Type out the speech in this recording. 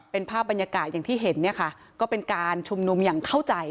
เป็นภาพบรรยากาศอย่างที่เห็นเนี่ยค่ะก็เป็นการชุมนุมอย่างเข้าใจ